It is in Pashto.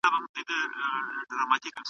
پلان جوړونه د معلوماتو پر بنسټ څنګه کیږي؟